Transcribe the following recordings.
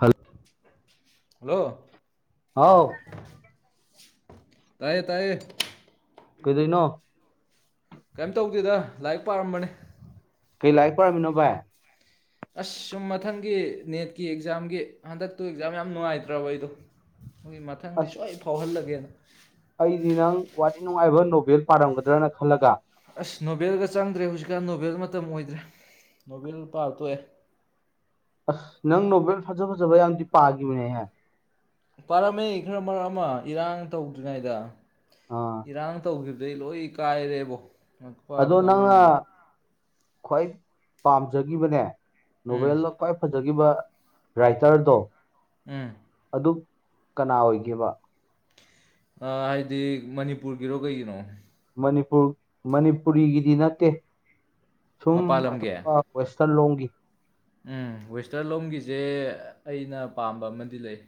Hello hello ꯍꯥꯎ ꯇꯥꯏꯌꯦ ꯇꯥꯏꯌꯦ ꯀꯩꯗꯣꯏꯅꯣ ꯀꯩꯝ ꯇꯧꯗꯦꯗ ꯂꯥꯏꯔꯤꯛ ꯄꯥꯔꯝꯕꯅꯦ ꯀꯩ ꯂꯥꯏꯔꯤꯛ ꯄꯔꯝꯃꯤꯅꯣ ꯚꯥꯏ ꯑꯥꯁ ꯁꯨꯝ ꯃꯊꯪꯒꯤ ꯅꯦꯠꯀꯤ ꯑꯦꯛꯖꯥꯝꯒꯤ ꯍꯟꯗꯛꯇꯨ ꯑꯦꯛꯖꯥꯝ ꯌꯥꯝ ꯅꯨꯡꯉꯥꯏꯇ꯭ꯔꯕ ꯑꯩꯗꯣ ꯃꯣꯏ ꯃꯊꯪꯗꯤ ꯑꯁ ꯁꯨꯏ ꯐꯥꯎꯍꯜꯂꯒꯦꯅ ꯑꯩꯗꯤ ꯅꯪ ꯋꯥꯔꯤ ꯅꯨꯡꯉꯥꯏꯕ ꯅꯣꯕꯦꯜ ꯄꯥꯔꯝꯒꯗ꯭ꯔꯅ ꯈꯜꯂꯒ ꯑꯁ ꯅꯣꯕꯦꯜꯒ ꯆꯪꯗ꯭ꯔꯦ ꯍꯧꯖꯤꯛꯀꯥꯟ ꯅꯣꯕꯦꯜꯒ ꯃꯇꯝ ꯑꯣꯏꯗ꯭ꯔꯦ ꯅꯣꯕꯦꯜ ꯄꯥꯕ ꯇꯣꯛꯑꯦ ꯑꯁ ꯅꯪ ꯅꯣꯕꯦꯜ ꯐꯖ ꯐꯖꯕ ꯌꯥꯝꯗꯤ ꯄꯥꯒꯤꯕꯅꯦꯍꯦ ꯄꯥꯔꯝꯃꯦ ꯈ꯭ꯔ ꯃꯔꯛ ꯑꯃ ꯏꯔꯥꯡ ꯇꯧꯗ꯭ꯔꯤꯉꯩꯗ ꯑꯥ ꯏꯔꯥꯡ ꯇꯧꯒꯤꯕꯗꯩ ꯂꯣꯏ ꯀꯥꯏꯔꯦꯕꯣ ꯑꯗꯣ ꯄꯥꯕꯒ ꯑꯝ ꯅꯪꯅ ꯉꯝꯗ꯭ꯔꯦ ꯈ꯭ꯋꯥꯏ ꯄꯥꯝꯖꯒꯤꯕꯅꯦ ꯎꯝ ꯅꯣꯕꯦꯜꯗ ꯈ꯭ꯋꯥꯏ ꯐꯖꯒꯤꯕ ꯔꯥꯏꯇꯔꯗꯣ ꯎꯝ ꯑꯗꯨꯞ ꯀꯅꯥ ꯑꯣꯏꯒꯦꯕ ꯑꯥ ꯍꯥꯏꯗꯤ ꯃꯅꯤꯄꯨꯔꯒꯤꯔꯣ ꯀꯩꯒꯤꯅꯣ ꯃꯅꯤꯄꯨꯔ ꯃꯅꯤꯄꯨꯔꯤꯒꯤꯗꯤ ꯅꯠꯇꯦ ꯁꯨꯝ ꯃꯄꯥꯟ ꯂꯝꯒꯤ ꯑꯇꯣꯞꯄ ꯋꯦꯁꯇꯔꯟꯂꯣꯝꯒꯤ ꯎꯝ ꯋꯦꯁꯇꯔꯟꯂꯣꯝꯒꯤꯖꯦ ꯑꯩꯅ ꯄꯥꯝꯕ ꯑꯃꯗꯤ ꯂꯩ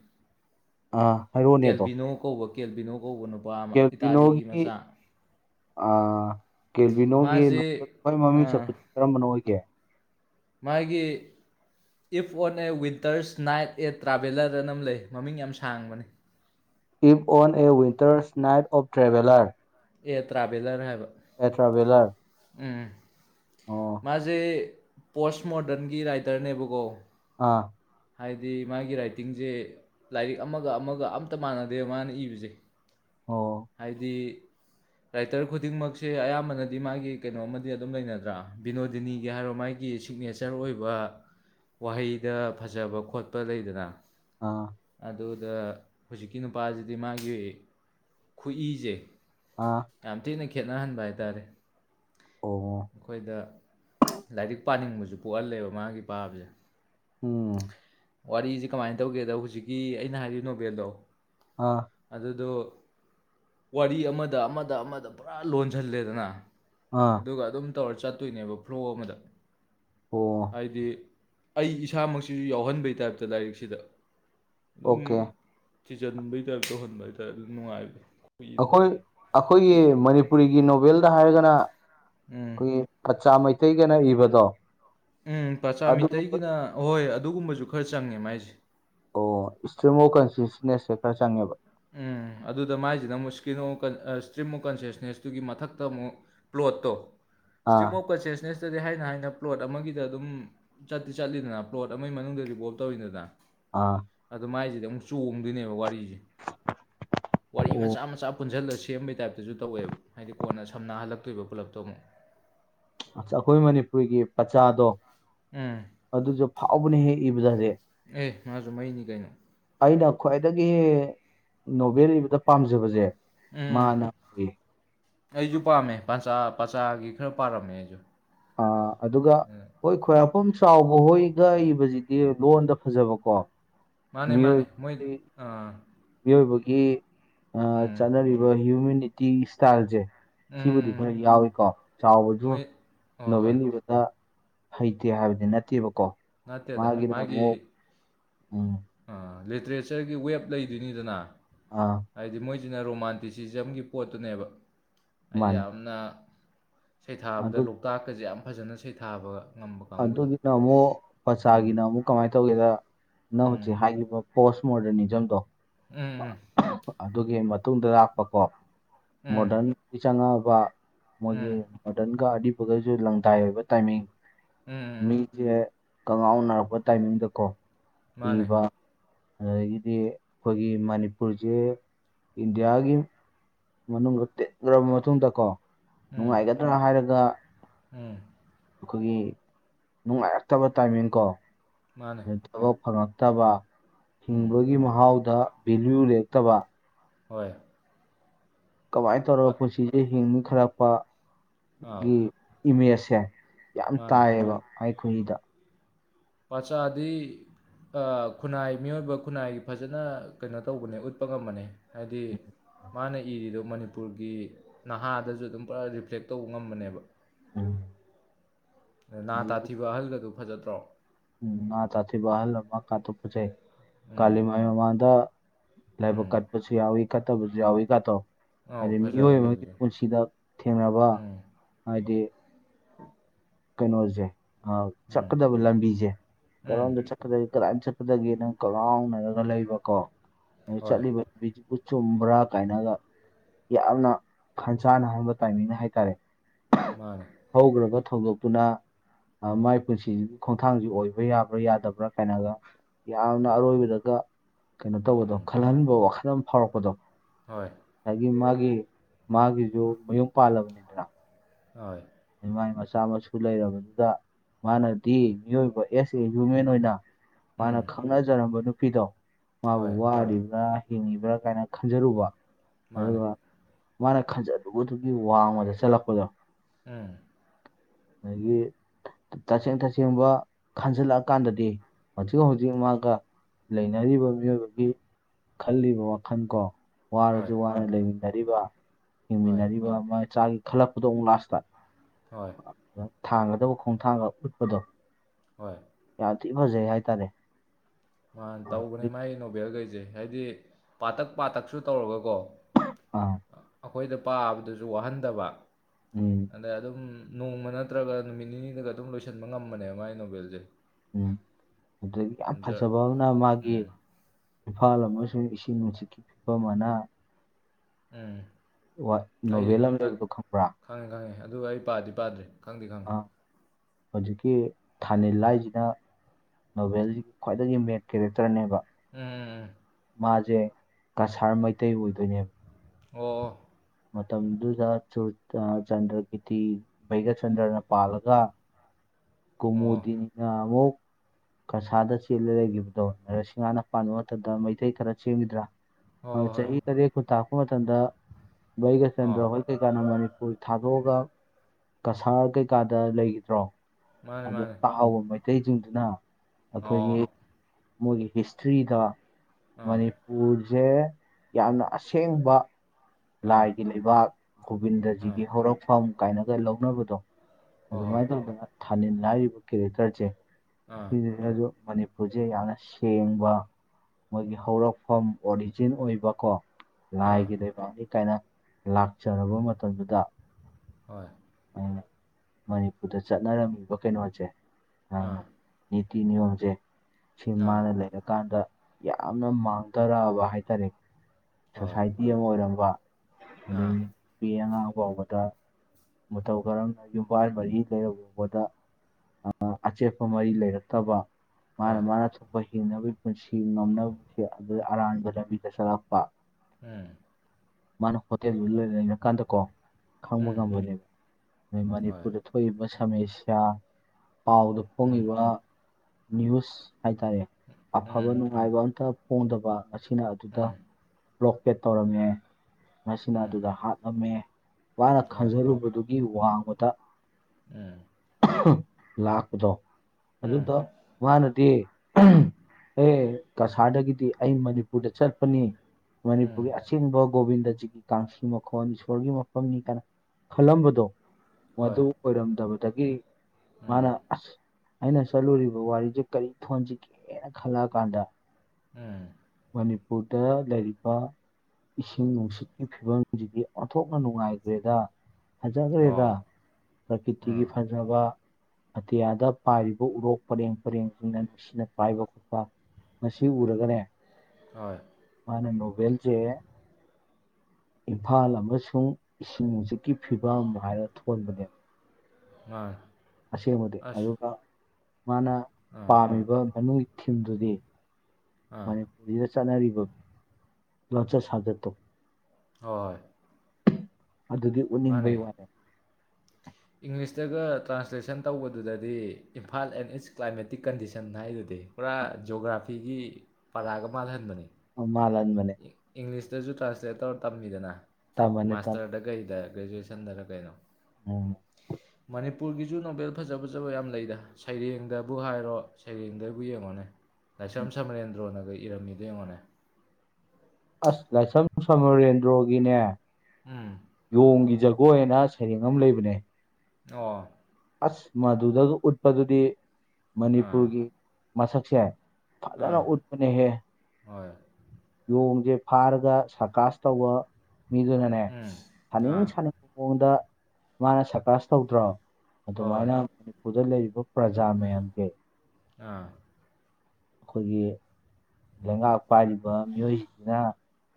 ꯑꯥ ꯍꯥꯏꯔꯛꯑꯣꯅꯦꯗꯣ ꯀꯦꯜꯕꯤꯅꯣ ꯀꯧꯕ ꯀꯦꯜꯕꯤꯅꯣ ꯀꯧꯕ ꯅꯨꯄꯥ ꯑꯃ ꯏꯇꯥꯂꯤꯒꯤ ꯀꯦꯜꯕꯤꯅꯣꯒꯤ ꯃꯆꯥ ꯑꯥ ꯀꯦꯜꯕꯤꯅꯣꯒꯤ ꯃꯥꯁꯦ ꯈ꯭ꯋꯥꯏ ꯃꯃꯤꯡ ꯆꯠ ꯑꯥ ꯀꯔꯝꯕꯅ ꯑꯣꯏꯒꯦ ꯃꯥꯒꯤ if on a winter's night eight traveller ꯑꯅ ꯑꯝ ꯂꯩ ꯃꯃꯤꯡ ꯌꯥꯝ ꯁꯥꯡꯕꯅꯤ if on a winter's night of traveller a traveller ꯍꯥꯏꯕ ꯑꯦ ꯇ꯭ꯔꯥꯕꯦꯂꯔ ꯎꯝ ꯃꯥꯖꯦ ꯄꯣꯁꯃꯣꯔꯗꯔꯟꯒꯤ ꯔꯥꯏꯇꯔꯅꯦꯕꯀꯣ ꯑꯥ ꯍꯥꯏꯗꯤ ꯃꯥꯒꯤ ꯔꯥꯏꯇꯤꯡꯖꯦ ꯂꯥꯏꯔꯤꯛ ꯑꯃꯒ-ꯑꯃꯒ ꯑꯝꯇ ꯃꯥꯟꯅꯗꯦꯕ ꯃꯥꯅ ꯏꯕꯖꯦ ꯍꯥꯏꯗꯤ ꯔꯥꯏꯇꯔ ꯈꯨꯗꯤꯡꯃꯛꯁꯦ ꯑꯌꯥꯝꯕꯅꯗꯤ ꯃꯥꯒꯤ ꯀꯩꯅꯣꯃ ꯑꯗꯨꯝ ꯂꯩꯅꯗ꯭ꯔꯥ ꯕꯤꯅꯣꯗꯤꯅꯤꯒꯤ ꯍꯥꯏꯔꯣ ꯃꯥꯒꯤ ꯁꯤꯒꯅꯦꯆꯔ ꯆꯔ ꯑꯣꯏꯕ ꯋꯥꯍꯩꯗ ꯐꯖꯕ ꯈꯣꯠꯄ ꯂꯩꯗꯅ ꯑꯥ ꯑꯗꯨꯗ ꯍꯧꯖꯤꯛꯀꯤ ꯅꯨꯄꯥꯁꯤꯗꯤ ꯃꯥꯒꯤ ꯈꯨꯏꯁꯦ ꯑꯥ ꯌꯥꯝ ꯊꯤꯅ ꯈꯦꯠꯅꯍꯟꯕ ꯍꯥꯏꯇꯥꯔꯦ ꯑꯩꯈꯣꯏꯗ ꯂꯥꯏꯔꯤꯛ ꯄꯥꯅꯤꯡꯕꯁꯨ ꯄꯣꯛꯍꯜꯂꯦꯕ ꯃꯥꯒꯤ ꯄꯥꯕꯁꯦ ꯎꯝ ꯋꯥꯔꯤꯁꯦ ꯀꯃꯥꯏꯅ ꯇꯧꯒꯦꯗ ꯍꯧꯖꯤꯛꯀꯤ ꯑꯩꯅ ꯍꯥꯏꯔꯤ ꯅꯣꯕꯦꯜꯗꯣ ꯑꯥ ꯑꯗꯨꯗꯣ ꯋꯥꯔꯤ ꯑꯃꯥꯗ ꯑꯃꯥꯗ ꯑꯃꯥꯗ ꯄꯨꯔꯥ ꯂꯣꯟꯁꯤꯜꯂꯦꯗꯅ ꯑꯗꯨꯒ ꯑꯗꯨꯝ ꯇꯧꯔ ꯆꯠꯇꯣꯏꯅꯦꯕ ꯐ꯭ꯂꯣꯜ ꯑꯃꯗ ꯍꯥꯏꯗꯤ ꯑꯩ ꯏꯁꯥꯃꯛꯁꯤꯁꯨ ꯌꯥꯎꯍꯟꯕꯩ ꯇꯥꯏꯞꯇ ꯂꯥꯏꯔꯤꯛꯁꯤꯗ ꯑꯗꯨꯝ ꯊꯤꯖꯤꯟꯕꯩ ꯇꯥꯏꯞ ꯇꯧꯍꯟꯕ ꯍꯥꯏꯇꯔꯦ ꯑꯗꯨ ꯅꯨꯡꯉꯥꯏꯕ ꯑꯩꯈꯣꯏ ꯑꯩꯈꯣꯏꯒꯤ ꯃꯅꯤꯄꯨꯔꯤꯒꯤ ꯅꯣꯕꯦꯜꯗ ꯍꯥꯏꯔꯒꯅ ꯎꯝ ꯑꯩꯈꯣꯏꯒꯤ ꯀꯠꯆꯥ ꯃꯩꯇꯩꯒꯅ ꯏꯕꯗꯣ ꯎꯝ ꯄꯆꯥ ꯑꯗꯨ ꯃꯤꯇꯩꯒꯤꯅ ꯍꯣꯏ ꯑꯗꯨꯒꯨꯝꯕꯁꯨ ꯈꯔ ꯆꯪꯉꯦ ꯃꯥꯏꯁꯦ ꯑꯣ ꯏꯁꯇ꯭ꯔꯤꯝ ꯑꯣꯞ ꯀꯟꯁꯤ ꯅꯦꯁꯁꯦ ꯈꯔ ꯆꯪꯉꯦꯕ ꯎꯝ ꯑꯗꯨꯗ ꯃꯥꯏꯁꯤꯗ ꯑꯃꯨꯛ ꯏꯁꯀꯤꯟ ꯑꯣꯞ ꯏꯁꯇ꯭ꯔꯤꯝ ꯑꯣꯞ ꯀꯟꯁꯤꯌꯁꯅꯦꯁꯇꯨꯒꯤ ꯃꯊꯛꯇ ꯑꯃꯨꯛ ꯄ꯭ꯂꯣꯠꯇꯣ ꯑꯥ ꯏꯁꯇ꯭ꯔꯤꯝ ꯑꯣꯞ ꯀꯟꯁꯤꯁꯅꯦꯁꯇꯗꯤ ꯍꯥꯏꯅ ꯍꯥꯏꯅ ꯄ꯭ꯂꯣꯠ ꯑꯃꯒꯤꯗ ꯑꯗꯨꯝ ꯆꯠꯇꯤ ꯆꯠꯂꯤꯗꯅ ꯄ꯭ꯂꯣꯠ ꯑꯃꯒꯤ ꯃꯅꯨꯡꯗ ꯔꯤꯕꯣꯜꯞ ꯇꯧꯔꯤꯗꯅ ꯑꯥ ꯑꯗꯨ ꯃꯥꯏꯁꯤꯗ ꯑꯃꯨꯛ ꯆꯣꯡꯗꯣꯏꯅꯦꯕ ꯋꯥꯔꯤꯁꯦ ꯋꯥꯔꯤ ꯑꯣ ꯃꯆꯥ ꯃꯆꯥ ꯄꯨꯟꯖꯜꯂ ꯁꯦꯝꯕꯒꯤ ꯇꯥꯏꯞꯇꯁꯨ ꯇꯧꯋꯦꯕ ꯍꯥꯏꯗꯤ ꯀꯣꯟꯅ ꯁꯝꯅꯍꯜꯂꯛ ꯇꯣꯏꯕ ꯄꯨꯜꯂꯞꯇꯣ ꯑꯃꯨꯛ ꯑꯩꯈꯣꯏ ꯃꯅꯤꯄꯨꯔꯒꯤ ꯄꯥꯆꯥꯗꯣ ꯎꯝ ꯑꯗꯨꯁꯨ ꯐꯥꯎꯕꯅꯦ ꯍꯦ ꯏꯕꯗꯗꯤ ꯑꯦ ꯃꯥꯁꯨ ꯃꯩꯅꯤ ꯀꯩꯅꯣ ꯑꯩꯅ ꯈ꯭ꯋꯥꯏꯗꯒꯤ ꯅꯣꯕꯦꯜ ꯏꯕꯗ ꯄꯥꯝꯖꯕꯁꯦ ꯎꯝ ꯃꯥꯅ ꯑꯩꯈꯣꯏ ꯑꯩꯁꯨ ꯄꯥꯝꯃꯦ ꯄꯆꯥ ꯄꯆꯥꯒꯤ ꯈꯔ ꯄꯥꯔꯝꯃꯦ ꯑꯩꯁꯨ ꯑꯥ ꯑꯗꯨꯒ ꯎꯝ ꯍꯣꯏ ꯈ꯭ꯋꯥꯏꯔꯥꯛꯄꯝ ꯆꯥꯎꯕ ꯍꯣꯏꯒ ꯏꯕꯁꯤꯗꯤ ꯂꯣꯟꯗ ꯐꯖꯕ ꯀꯣ ꯃꯥꯅꯦ ꯃꯥꯅꯦ ꯃꯣꯏ ꯑꯥ ꯃꯤꯑꯣꯏꯕꯒꯤ ꯑꯥ ꯎꯝ ꯆꯠꯅꯔꯤꯕ ꯍꯨꯃꯤꯅꯤꯇꯤ ꯏꯁꯇꯥꯏꯜꯁꯦ ꯁꯤꯕꯨꯗꯤ ꯎꯝ ꯈꯔ ꯌꯥꯎꯋꯤ ꯀꯣ ꯆꯥꯎꯕꯁꯨ ꯃꯣꯏ ꯍꯣꯏ ꯍꯣꯏ ꯅꯣꯕꯦꯜ ꯏꯕꯗ ꯍꯩꯇꯦ ꯍꯥꯏꯕꯗꯤ ꯅꯠꯇꯦꯕ ꯀꯣ ꯅꯠꯇꯦꯗ ꯃꯥꯒꯤ ꯎꯝ ꯂꯤꯇꯔꯦꯆꯔꯒꯤ ꯋꯦꯞ ꯂꯩꯗꯣꯏꯅꯤꯗꯅ ꯑꯥ ꯍꯥꯏꯗꯤ ꯃꯣꯏꯁꯤꯅ ꯔꯣꯃꯥꯟꯇꯤꯁꯤꯖꯝꯒꯤ ꯄꯣꯠꯇꯨꯅꯦꯕ ꯍꯥꯏꯗꯤ ꯃꯥꯅꯦ ꯌꯥꯝꯅ ꯁꯩꯊꯥꯕꯗ ꯑꯗꯨ ꯂꯣꯛꯇꯥꯛꯀꯁꯦ ꯌꯥꯝ ꯐꯖꯅ ꯁꯩꯊꯥꯕ ꯉꯝꯕ ꯀꯥꯡꯕꯨꯗꯣ ꯑꯗꯨꯒꯤꯅ ꯑꯃꯨꯛ ꯎꯝ ꯄꯆꯥꯒꯤꯅ ꯑꯃꯨꯛ ꯀꯃꯥꯏꯅ ꯇꯧꯒꯦꯗ ꯅꯪ ꯎꯝ ꯍꯧꯖꯤꯛ ꯍꯥꯏꯔꯤꯕ ꯄꯣꯁ ꯃꯣꯔꯗꯔꯅꯤꯖꯝꯗꯣ ꯎꯝ ꯎꯝ ꯑꯗꯨꯒꯤ ꯃꯇꯨꯡꯗ ꯂꯥꯛꯄ ꯀꯣ ꯎꯝ ꯃꯣꯗꯔꯟꯗꯤ ꯆꯪꯉꯛꯑꯕ ꯃꯣꯏꯒꯤ ꯎꯝ ꯃꯣꯗꯔꯟꯒ ꯑꯔꯤꯕꯒꯁꯨ ꯂꯪꯗꯥꯥꯏ ꯑꯣꯏꯕ ꯇꯥꯏꯃꯤꯡ ꯎꯝ ꯎꯝ ꯃꯤꯁꯦ ꯀꯉꯥꯎꯅꯔꯛꯄ ꯇꯥꯏꯃꯤꯡꯗ ꯀꯣ ꯃꯥꯅꯦ ꯏꯕ ꯑꯗꯒꯤꯗꯤ ꯑꯩꯈꯣꯏꯒꯤ ꯃꯅꯤꯄꯨꯔꯁꯦ ꯏꯟꯗꯤꯌꯥꯒꯤ ꯃꯅꯨꯡꯗ ꯇꯤꯟꯈ꯭ꯔꯕ ꯃꯇꯨꯡꯗꯀꯣ ꯎꯝ ꯅꯨꯡꯉꯥꯏꯒꯗ꯭ꯔꯥ ꯍꯥꯏꯔꯒ ꯎꯝ ꯑꯩꯈꯣꯏꯒꯤ ꯅꯨꯡꯉꯥꯏꯔꯛꯇꯕ ꯇꯥꯏꯃꯤꯡ ꯀꯣ ꯃꯥꯅꯦ ꯑꯗꯨ ꯊꯥꯕꯛ ꯐꯪꯉꯛꯇꯕ ꯎꯝ ꯍꯤꯡꯕꯒꯤ ꯃꯍꯥꯎꯗ ꯚꯦꯂꯨ ꯂꯩꯔꯛꯇꯕ ꯍꯣꯏ ꯀꯃꯥꯏꯟ ꯇꯧꯔꯒ ꯄꯨꯟꯁꯤꯁꯦ ꯍꯤꯡꯅꯤ ꯈꯠꯂꯛꯄ ꯑꯥꯎ ꯒꯤ ꯏꯃꯦꯖꯁꯦ ꯌꯥꯝ ꯃꯥꯅꯦ ꯇꯥꯌꯦꯕ ꯃꯥꯏ ꯈꯨꯠꯏꯗ ꯄꯥꯆꯥꯗꯤ ꯑ ꯈꯨꯟꯅꯥꯏ ꯃꯤꯑꯣꯏꯕ ꯈꯨꯟꯅꯥꯏꯒꯤ ꯐꯖꯅ ꯀꯩꯅꯣ ꯇꯧꯕꯅꯦ ꯎꯠꯄ ꯉꯝꯕꯅꯦ ꯍꯥꯏꯗꯤ ꯃꯥꯅ ꯏꯔꯤꯗꯣ ꯃꯅꯤ ꯄꯨꯔꯒꯤ ꯅꯍꯥꯗꯖꯨ ꯑꯗꯨꯝ ꯄꯨꯔꯥ ꯔꯤꯐ꯭ꯂꯦꯛ ꯇꯧꯕ ꯉꯝꯕꯅꯦꯕ ꯎꯝ. ꯅꯥ ꯇꯥꯊꯤꯕ ꯑꯍꯜꯒꯗꯣ ꯐꯖꯗ꯭ꯔꯣ ꯎꯝ ꯅꯥ ꯇꯥꯊꯤꯕ ꯑꯍꯜ ꯑꯃꯥ ꯀꯥꯟꯊꯣꯛꯄꯖꯦ ꯎꯝ ꯀꯥꯂꯤꯃꯥꯏ ꯃꯃꯥꯡꯗ ꯂꯥꯏꯕꯛ ꯎꯝ ꯀꯠꯄꯁꯨ ꯌꯥꯎꯏ ꯀꯠꯇꯕꯖꯨ ꯌꯥꯎꯏꯀꯇꯣ ꯑꯧ ꯍꯥꯏꯗꯤ ꯐꯖꯕꯅꯦ ꯃꯤꯑꯣꯏꯕꯒꯤ ꯑꯗꯨꯗꯣ ꯄꯨꯟꯁꯤꯗ ꯊꯦꯡꯅꯕ ꯎꯝ ꯍꯥꯏꯗꯤ ꯀꯩꯅꯣꯖꯦ ꯑ ꯎꯝ ꯆꯠꯀꯗꯕ ꯂꯝꯕꯤ ꯖꯦ ꯎꯝ ꯀꯔꯣꯝꯗ ꯆꯠꯀꯗꯒꯦ ꯀꯗꯥꯏ ꯆꯠꯀꯗꯒꯦꯅ ꯀꯡꯉꯥꯎꯅꯔꯒ ꯂꯩꯕꯀꯣ ꯑꯩ ꯍꯣꯏ ꯆꯠꯂꯤꯕ ꯂꯝꯕꯤꯗꯨꯕꯨ ꯆꯨꯝꯕ꯭ꯔꯥ ꯀꯥꯏꯅꯒ ꯌꯥꯝꯅ ꯈꯟꯆꯥꯅꯍꯟꯕ ꯇꯥꯏꯃꯤꯡꯅꯦ ꯍꯥꯏꯇꯥꯔꯦ ꯃꯥꯅꯤ ꯍꯧꯒꯔ꯭ꯕ ꯊꯧꯗꯣꯛꯇꯨꯅ ꯑ ꯃꯥꯏ ꯄꯨꯟꯁꯤ ꯈꯣꯡ ꯊꯥꯡꯖꯤ ꯑꯣꯏꯕ ꯌꯥꯕ꯭ꯔꯥ ꯌꯥꯗꯕ꯭ꯔꯥ ꯀꯥꯏꯅꯒ ꯌꯥꯝꯅ ꯑꯔꯣꯏꯕꯤꯗꯒ ꯀꯩꯅꯣ ꯇꯧꯕꯗꯣ ꯎꯝ ꯈꯜꯍꯟꯕ ꯋꯥꯈꯜ ꯑꯝ ꯐꯥꯎꯔꯛꯄꯗꯣ ꯍꯣꯏ ꯑꯗꯒꯤ ꯃꯥꯒꯤ ꯃꯥꯒꯤꯖꯨ ꯃꯌꯨꯝ ꯄꯥꯜꯂꯕꯅꯤꯗꯅ ꯑꯣꯏ ꯑꯗꯩ ꯃꯥꯏ ꯃꯆꯥ ꯃꯁꯨ ꯂꯩꯔꯕꯗꯨꯗ ꯃꯥꯅꯗꯤ ꯃꯤꯑꯣꯏꯕ ꯑꯦꯁ ꯑꯦ ꯍ꯭ꯌꯨꯃꯦꯟ ꯑꯣꯏꯅ ꯃꯥꯅ ꯎꯝ ꯈꯪꯅꯖꯔꯝꯕ ꯅꯨꯄꯤꯗꯣ ꯃꯥꯕꯨ ꯍꯣꯏ ꯋꯥꯔꯤꯕ꯭ꯔꯥ ꯍꯤꯡꯉꯤꯕ꯭ꯔꯥ ꯀꯥꯏꯅ ꯈꯟꯖꯔꯨꯕ ꯃꯥꯅꯦ ꯑꯗꯨꯒ ꯃꯥꯅ ꯈꯟꯖꯔꯨꯕꯗꯨꯒꯤ ꯋꯥꯡꯃ ꯗ ꯆꯂꯛꯄꯗꯣ ꯎꯝ ꯗꯒꯤ ꯇꯁꯦꯡ ꯇꯁꯦꯡꯕ ꯈꯟꯖꯤꯜꯂꯛꯑ ꯀꯥꯟꯗꯗꯤ ꯍꯧꯖꯤꯛ ꯍꯧꯖꯤꯛ ꯃꯥꯒ ꯂꯩꯅꯔꯤꯕ ꯃꯤꯑꯣꯏꯕꯒꯤ ꯈꯜꯂꯤꯕ ꯋꯥꯈꯟ ꯀꯣ ꯍꯣꯏ ꯋꯥꯔꯖꯨ ꯋꯥꯅ ꯂꯩꯃꯤꯟꯅꯔꯤꯕ ꯍꯣꯏ ꯍꯤꯡꯃꯤꯟꯅꯔꯤꯕ ꯃꯆꯥꯒꯤ ꯈꯜꯂꯛꯄꯗꯣ ꯑꯃꯨꯛ ꯂꯥꯁꯇ ꯍꯣꯏ ꯊꯥꯡꯒꯗꯕ ꯈꯣꯡꯊꯥꯡꯒ ꯎꯠꯄꯗꯣ ꯍꯣꯏ ꯌꯥꯝ ꯊꯤ ꯐꯖꯩ ꯍꯥꯏꯇꯥꯔꯦ ꯃꯥꯟ ꯇꯧꯕꯅꯦ ꯑꯗꯒꯤ ꯃꯥꯏ ꯅꯣꯕꯦꯜꯒꯩꯖꯦ ꯍꯥꯏꯗꯤ ꯄꯥꯇꯛ ꯄꯥꯇꯛꯁꯨ ꯇꯧꯔꯒꯒꯣ ꯑꯥ ꯑꯩꯈꯣꯏꯗ ꯄꯥꯕꯗꯖꯨ ꯋꯥꯍꯟꯗꯕ ꯎꯝ ꯑꯗꯩ ꯑꯗꯨꯝ ꯅꯣꯡꯃ ꯅꯠꯇ꯭ꯔꯒ ꯅꯨꯃꯤꯠ ꯅꯤꯅꯤꯗꯒ ꯑꯗꯨꯝ ꯂꯣꯏꯁꯤꯟꯕ ꯉꯝꯕꯅꯦꯕ ꯃꯥꯒꯤ ꯅꯣꯕꯦꯜꯖꯦ ꯎꯝ ꯑꯗꯨꯗꯒꯤ ꯌꯥꯝ ꯐꯖꯕ ꯑꯃꯅ ꯃꯥꯒꯤ ꯎꯝ ꯏꯝꯐꯥꯜ ꯑꯃꯁꯨꯡ ꯏꯁꯤꯡ ꯅꯨꯡꯁꯤꯠꯀꯤ ꯐꯤꯕꯝ ꯑꯅ ꯎꯝ ꯋꯥ ꯑꯩ ꯅꯣꯕꯦꯜ ꯑꯃ ꯂꯩꯕꯗꯣ ꯈꯪꯕ꯭ꯔꯥ ꯈꯪꯉꯦ ꯈꯪꯉꯦ ꯑꯗꯨ ꯑꯩ ꯄꯥꯗꯤ ꯄꯥꯗ꯭ꯔꯤ ꯈꯪꯗꯤ ꯈꯪꯉꯦ ꯑ ꯍꯨꯖꯤꯛꯀꯤ ꯊꯥꯅꯤꯜ ꯍꯥꯏꯖꯤꯅ ꯅꯣꯚꯦꯜꯖꯤꯒꯤ ꯈ꯭ꯋꯥꯏꯗꯒꯤ ꯃꯦꯟ ꯀꯦꯔꯦꯛꯇꯔꯅꯦꯕ ꯎꯝ ꯎꯝ ꯎꯝ ꯃꯥꯁꯦ ꯀꯁꯥꯔ ꯃꯩꯇꯩ ꯑꯣꯏꯗꯣꯏꯅꯦꯕ ꯑꯣ ꯃꯇꯝ ꯃꯇꯝꯗꯨꯗ ꯆ ꯆꯟꯗ꯭ꯔꯀꯤꯇ ꯕꯩꯒꯆꯟꯗ꯭ꯔꯅ ꯄꯥꯜꯂꯒ ꯎꯝ ꯑꯣ ꯀꯨꯃꯨꯗꯤꯅ ꯑꯃꯨꯛ ꯀꯁꯥꯗ ꯆꯦꯜꯂ ꯂꯩꯈꯤꯕꯗꯣ ꯅꯔꯁꯤ ꯉꯥꯅ ꯄꯥꯟꯕ ꯃꯇꯝꯗ ꯃꯩꯇꯩ ꯈꯔ ꯆꯦꯟꯈꯤꯗ꯭ꯔꯥ ꯑꯣ ꯍꯣꯏ ꯍꯣꯏ ꯍꯣꯏ ꯆꯍꯤ ꯇꯔꯦꯠ ꯈꯨꯟ ꯇꯥꯛꯄ ꯃꯇꯝꯗ ꯩꯒ ꯆꯟꯗ꯭ꯔꯣ ꯑꯥ ꯀꯩꯀꯥꯅ ꯃꯅꯤꯄꯨꯔ ꯊꯥꯗꯣꯛꯑꯒ ꯀꯁꯥꯔ ꯀꯩꯀꯥꯗ ꯂꯩꯈꯤꯗ꯭ꯔꯣ ꯃꯥꯅꯦ ꯑꯗꯨ ꯃꯥꯅꯦ ꯆꯥꯛꯍꯥꯎꯕ ꯃꯩꯇꯩꯁꯤꯡꯗꯨꯅ ꯑꯣ ꯑꯩꯈꯣꯏꯒꯤ ꯃꯣꯏꯒꯤ ꯍꯤꯁꯇ꯭ꯔꯤꯗ ꯑꯥ ꯃꯅꯤꯄꯨꯔꯁꯦ ꯌꯥꯝꯅ ꯑꯁꯦꯡꯕ ꯑꯥ ꯂꯥꯏꯒꯤ ꯂꯩꯕꯥꯛ ꯑꯥ ꯒꯣꯕꯤꯟꯗꯖꯤꯒꯤ ꯍꯧꯔꯛꯐꯝ ꯀꯥꯏꯅꯒ ꯂꯧꯅꯕꯗꯣ ꯍꯣꯏ ꯍꯣꯏ ꯑꯗꯨꯃꯥꯏꯅ ꯇꯧꯗꯅ ꯊꯥꯅꯤꯟ ꯍꯥꯏꯔꯤꯕ ꯀꯦꯔꯦꯛꯇꯔꯁꯦ ꯑꯥ ꯁꯤꯁꯤꯗꯁꯨ ꯃꯅꯤꯄꯨꯔꯁꯦ ꯌꯥꯝꯅ ꯁꯦꯡꯕ ꯃꯣꯏꯒꯤ ꯍꯧꯔꯛꯐꯝ ꯑꯣꯔꯤꯖꯤꯟ ꯑꯣꯏꯕꯀꯣ ꯑꯥ ꯂꯥꯏꯒꯤ ꯂꯩꯕꯥꯛꯅꯤ ꯀꯥꯏꯅ ꯂꯥꯛꯆꯔꯨꯔꯕ ꯃꯇꯝꯗꯨꯗ ꯍꯣꯏ ꯑ ꯃꯅꯤꯄꯨꯔꯗ ꯆꯠꯅꯔꯝꯃꯤꯕ ꯀꯩꯅꯣꯁꯦ ꯑꯥ ꯅꯤꯇꯤ ꯅꯤꯌꯣꯝꯁꯦ ꯁꯤ ꯑꯥ ꯃꯥꯅ ꯂꯩꯔꯀꯥꯟꯗ ꯌꯥꯝꯅ ꯃꯥꯡꯊꯔꯛꯑꯕ ꯍꯥꯏꯇꯥꯔꯦ ꯍꯣꯏ ꯁꯣꯁꯥꯏꯇꯤ ꯑꯃ ꯑꯣꯏꯔꯝꯕ ꯑꯗꯩ ꯑꯥ ꯅꯨꯄꯤ ꯑꯉꯥꯡ ꯐꯥꯎꯕꯗ ꯃꯇꯧ ꯀꯔꯝꯅ ꯌꯨꯝꯐꯜ ꯃꯔꯤ ꯂꯩꯔ ꯐꯥꯎꯕꯗ ꯑꯆꯦꯠꯄ ꯃꯔꯤ ꯂꯩꯔꯛꯇꯕ ꯃꯥꯅ ꯍꯣꯏ ꯃꯥꯅ ꯊꯣꯛꯄ ꯍꯤꯡꯅꯕꯒꯤ ꯄꯨꯟꯁꯤ ꯉꯝꯅꯕꯁꯤ ꯑꯗꯨ ꯑꯔꯥꯟꯕ ꯂꯝꯕꯤꯗ ꯆꯠꯂꯛꯄ ꯎꯝ ꯃꯥꯅ ꯍꯣꯇꯦꯜꯗꯨ ꯂꯩꯔꯀꯥꯟꯗꯀꯣ ꯈꯪꯕ ꯎꯝ ꯉꯝꯝꯕꯅꯦꯕ ꯅꯣꯏ ꯍꯣꯏ ꯃꯅꯤꯄꯨꯔꯗ ꯊꯣꯛꯏꯕ ꯁꯃꯁ꯭ꯌꯥ ꯄꯥꯎꯗ ꯎꯝ ꯐꯣꯡꯉꯤꯕ ꯅ꯭ꯌꯨꯁ ꯍꯥꯏꯇꯥꯔꯦ ꯑꯐꯕ ꯎꯝ ꯅꯨꯡꯉꯥꯏꯕ ꯑꯇ ꯐꯣꯡꯗꯕ ꯑꯁꯤꯅ ꯑꯗꯨꯗ ꯎꯝ ꯔꯣꯀꯦꯠ ꯇꯧꯔꯝꯃꯦ ꯃꯁꯤꯅ ꯎꯝ ꯑꯗꯨꯗ ꯍꯥꯠꯂꯝꯃꯦ ꯃꯥꯅ ꯍꯣꯏ ꯈꯟꯖꯜꯔꯨꯕꯗꯨꯒꯤ ꯋꯥꯡꯃꯗ ꯎꯝ ꯂꯥꯛꯄꯗꯣ ꯎꯝ ꯑꯗꯨꯗ ꯃꯥꯅꯗꯤ ꯑꯦ ꯀꯁꯥꯔꯗꯒꯤꯗꯤ ꯑꯩ ꯃꯅꯤꯄꯨꯔꯗ ꯆꯠꯄꯅꯤ ꯎꯝ ꯃꯅꯤꯄꯨꯔꯒꯤ ꯑꯆꯤꯡꯕ ꯒꯣꯕꯤꯟꯗꯖꯤꯒꯤ ꯀꯥꯡꯁꯤ ꯃꯈꯣꯟ ꯏꯁꯣꯔꯒꯤ ꯃꯐꯝꯅꯤ ꯀꯥꯏꯅ ꯈꯜꯂꯝꯕꯗꯣ ꯍꯣꯏ ꯃꯗꯨ ꯑꯣꯏꯔꯝꯗꯕꯗꯒꯤ ꯎꯝ ꯃꯥꯅ ꯑꯁ ꯑꯩꯅ ꯆꯠꯂꯨꯔꯤꯕ ꯋꯥꯔꯤꯁꯦ ꯀꯔꯤ ꯊꯣꯟꯁꯤꯒꯦꯅ ꯈꯜꯂꯛ ꯀꯥꯟꯗ ꯎꯝ ꯃꯅꯤꯄꯨꯔꯗ ꯂꯩꯔꯤꯕ ꯏꯁꯤꯡ ꯅꯨꯡꯁꯤꯠꯀꯤ ꯐꯤꯕꯝꯁꯤꯗꯤ ꯑꯣꯟꯊꯣꯛꯅ ꯅꯨꯡꯉꯥꯏꯈ꯭ꯔꯦꯗ ꯑꯣ ꯑꯥ ꯐꯖꯈ꯭ꯔꯦꯗ ꯍꯣꯏ ꯄ꯭ꯔꯀꯤꯇꯤꯒꯤ ꯐꯖꯕ ꯑꯇꯤꯌꯥꯗ ꯄꯥꯏꯔꯤꯕ ꯎꯔꯣꯛ ꯄꯔꯦꯡ ꯄꯔꯦꯡꯁꯤꯡꯅ ꯅꯨꯡꯁꯤꯅ ꯄꯥꯏꯕ ꯈꯣꯠꯄ ꯃꯁꯤ ꯎꯔꯒꯅꯦ ꯍꯣꯏ ꯃꯥꯅꯦ ꯅꯣꯕꯦꯜ ꯆꯦ ꯏꯝꯐꯥꯜ ꯑꯃꯁꯨꯡ ꯏꯁꯤꯡ ꯅꯨꯡꯖꯤꯛꯀꯤ ꯐꯤꯕꯝ ꯍꯥꯏꯔ ꯊꯣꯟꯕꯅꯦꯕ ꯃꯥ ꯑꯁꯦꯡꯕꯗꯤ ꯑꯗꯨꯒ ꯃꯥꯅ ꯑꯥ ꯄꯥꯝꯃꯤꯕ ꯃꯅꯨꯡꯨꯒꯤ ꯊꯤꯝꯗꯨꯗꯤ ꯑꯥ ꯃꯅꯤꯄꯨꯔꯁꯤꯗ ꯆꯠꯅꯔꯤꯕ ꯂꯝꯣꯟꯆꯠ ꯁꯥꯖꯠꯇꯣ ꯍꯣꯏ ꯍꯣꯏ ꯑꯗꯨꯗꯤ ꯃꯥꯅꯦ ꯎꯠꯅꯤꯡꯕꯩ ꯋꯥꯔ ꯏꯪꯂꯤꯁꯇꯒ ꯇ꯭ꯔꯥꯟꯁꯂꯦꯁꯟ ꯇꯧꯕꯗꯨꯗꯗꯤ Imphal and its climatic condition ꯍꯥꯏꯗꯨꯗꯤ ꯄꯨꯔꯥ ꯖꯣꯒ꯭ꯔꯥꯐꯤꯒꯤ ꯄꯔꯥꯒ ꯃꯥꯜꯍꯟꯕꯅꯦ ꯑ ꯃꯥꯜꯍꯟꯕꯅꯦ ꯏꯪꯂꯤꯁꯇꯁꯨ ꯇ꯭ꯔꯥꯟꯁꯂꯦꯠ ꯇꯧꯔ ꯇꯝꯃꯤꯗꯅ ꯇꯝꯕꯅꯦ ꯃꯥꯁꯇꯔꯗ ꯀꯩꯗ ꯒ꯭ꯔꯦꯖꯨꯑꯦꯁꯟ ꯗꯔ ꯀꯩꯅꯣ ꯎꯝ ꯃꯅꯤꯞ ꯄꯨꯔꯒꯤꯁꯨ ꯅꯣꯕꯦꯜ ꯐꯖ ꯐꯖꯕ ꯌꯥꯝ ꯂꯩꯗ ꯁꯩꯔꯦꯡꯗꯕꯨ ꯍꯥꯏꯔꯣ ꯁꯩꯔꯦꯡꯗꯕꯨ ꯌꯦꯡꯉꯣꯅꯦ ꯎꯝ ꯂꯥꯏꯁ꯭ꯔꯝ ꯁꯃꯔꯦꯟꯗ꯭ꯔꯣꯅꯒ ꯏꯔꯝꯃꯤꯗꯣ ꯑ꯫ꯌꯦꯡꯉꯣꯅꯦ ꯑꯁ ꯂꯥꯏꯁ꯭ꯔꯝ ꯁꯃꯔꯦꯟꯗ꯭ꯔꯣꯒꯤꯅꯦ ꯎꯝ ꯌꯣꯡꯒꯤ ꯖꯒꯣꯏ ꯑꯅ ꯁꯩꯔꯦꯡ ꯑꯝ ꯂꯩꯕꯅꯦ ꯑꯣ ꯑꯁ ꯃꯗꯨꯗꯒ ꯎꯠꯄꯗꯨꯗꯤ ꯑꯥ ꯃꯅꯤꯄꯨꯔꯒꯤ ꯃꯁꯛꯁꯦ ꯐꯥꯖꯅ ꯑꯥ ꯎꯠꯄꯅꯦꯍꯦ ꯍꯣꯏ ꯌꯣꯡꯁꯦ ꯐꯥꯔꯒ ꯁꯔꯀꯥꯁ ꯇꯧꯕ ꯃꯤꯗꯨꯅꯅꯦ ꯎꯝ ꯁꯥꯅꯤꯡ ꯑꯥ ꯁꯥꯅꯤꯡ ꯃꯑꯣꯡꯗ ꯃꯥꯅ ꯁꯔꯀꯥꯁ ꯇꯧꯗ꯭ꯔꯣ ꯍꯣꯏ ꯑꯗꯨꯃꯥꯏꯅ ꯃꯅꯤꯄꯨꯔꯗ ꯂꯩꯔꯤꯕ ꯄ꯭ꯔꯖꯥ ꯃꯌꯥꯝꯖꯦ ꯑꯥ ꯑꯩꯈꯣꯏꯒꯤ ꯂꯩꯉꯥꯛ ꯄꯥꯏꯔꯤꯕ ꯃꯤꯑꯣꯏꯁꯤꯡꯁꯤꯅ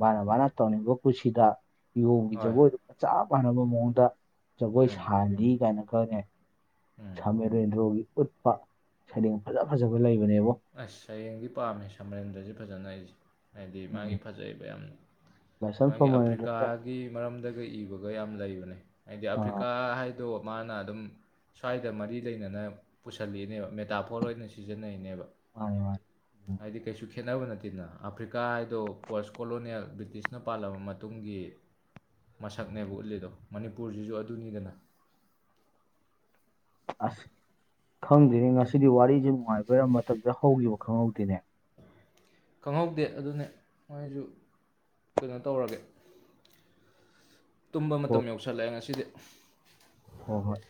ꯃꯥꯅ ꯃꯥꯅ ꯇꯧꯅꯤꯡꯕ ꯀꯨꯁꯤꯗ ꯌꯣꯡꯒꯤ ꯍꯣꯏ ꯖꯒꯣꯏꯗꯨꯒ ꯆꯞ ꯃꯥꯟꯅꯕ ꯃꯑꯣꯡꯗ ꯖꯒꯣꯏ ꯎꯝ ꯁꯥꯍꯜꯂꯤ ꯀꯥꯏꯅ ꯈꯅꯦ ꯎꯝ ꯁꯥꯃꯔꯦꯟꯗ꯭ꯔꯣꯒꯤ ꯎꯠꯄ ꯁꯩꯔꯦꯡ ꯐꯖ ꯐꯖꯕ ꯂꯩꯕꯅꯦꯕꯣ ꯑꯁ ꯁꯔꯦꯡꯗꯤ ꯄꯥꯝꯃꯦ ꯁꯝꯃꯔꯦꯟꯗ꯭ꯔꯁꯦ ꯐꯖꯅ ꯑꯩꯁꯦ ꯍꯥꯏꯗꯤ ꯎꯝ ꯃꯥꯒꯤ ꯐꯖꯩꯌꯦꯕ ꯌꯥꯝꯅ ꯂꯥꯏꯁ꯭ꯔꯝ ꯃꯥꯒꯤ ꯑꯐ꯭ꯔꯤꯀꯥ ꯁꯣꯃꯣꯔꯦꯟꯗ꯭ꯔꯣꯁꯦ ꯒꯤ ꯃꯔꯝꯗꯒ ꯏꯕꯒ ꯌꯥꯝ ꯂꯩꯕꯅꯦ ꯍꯥꯏꯗꯤ ꯑꯥ ꯑꯐ꯭ꯔꯤꯀꯥ ꯍꯥꯏꯗꯣ ꯃꯥꯅ ꯑꯗꯨꯝ ꯁ꯭ꯋꯥꯏꯗ ꯃꯔꯤ ꯂꯩꯅꯅ ꯄꯨꯁꯜꯂꯤꯅꯦꯕ ꯃꯦꯇꯥꯐꯣꯔ ꯑꯣꯏꯅ ꯁꯤꯖꯤꯟꯅꯩꯅꯦꯕ ꯃꯥꯅꯤ ꯃꯥꯅꯤ ꯍꯥꯏꯗꯤ ꯀꯩꯁꯨ ꯈꯦꯠꯅꯕ ꯅꯠꯇꯦꯅ ꯑꯥꯐ꯭ꯔꯤꯀꯥ ꯍꯥꯏꯗꯣ ꯄꯣꯁ ꯀꯣꯂꯣꯅꯤꯌꯦꯜ ꯕ꯭ꯔꯤꯇꯤꯁꯅ ꯄꯥꯜꯂꯕ ꯃꯇꯨꯡꯒꯤ ꯃꯁꯛꯅꯦꯕ ꯎꯠꯂꯤꯗꯣ ꯃꯅꯤꯄꯨꯔꯁꯤꯁꯨ ꯑꯗꯨꯅꯤꯗꯅ ꯑꯁ ꯈꯪꯗꯦꯅꯦ ꯉꯁꯤꯗꯤ ꯋꯥꯔꯤꯁꯦ ꯅꯨꯡꯉꯥꯏꯕꯩꯔ ꯃꯇꯝꯗ ꯍꯧꯈꯤꯕ ꯈꯪꯍꯧꯗꯦꯅꯦ ꯈꯪꯍꯧꯗꯦ ꯑꯗꯨꯅꯦ ꯃꯣꯏꯁꯨ ꯀꯩꯅꯣ ꯇꯧꯔꯒꯦ [inaudible] ꯇꯨꯝꯕ ꯃꯇꯝ ꯌꯧꯁꯜꯂꯛꯑꯦ ꯉꯁꯤꯗꯤ ꯍꯣ ꯍꯣꯏ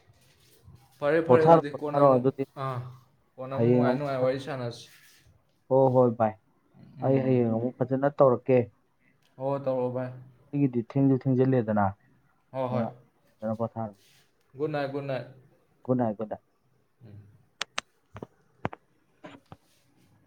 ꯐꯔꯦ ꯐꯔꯦ ꯄꯣꯊꯥꯔꯣ ꯑꯗꯨꯗꯤ ꯀꯣꯟꯅ ꯄꯣꯊꯥꯔꯣ ꯑꯃꯨꯛ ꯑꯗꯨꯗꯤ ꯑꯥ ꯀꯣꯟꯅ ꯑꯃꯨꯛ ꯅꯨꯡꯉꯥꯏ ꯅꯨꯡꯉꯥꯏꯕ ꯋꯥꯔꯤ ꯁꯥꯟꯅꯁꯤ ꯍꯣ ꯍꯣꯏ ꯚꯥꯏ ꯑꯩ ꯎꯝ ꯍꯌꯦꯡ ꯑꯃꯨꯛ ꯐꯖꯅ ꯇꯧꯔꯛꯀꯦ ꯑꯣ ꯇꯧꯔꯛꯑꯣ ꯚꯥꯏ ꯑꯩꯒꯤꯗꯤ ꯊꯦꯡꯖꯨ ꯊꯦꯡꯖꯜꯂꯦꯗꯅ ꯍꯣ ꯍꯣꯏ good night good night good night good night ꯎꯝ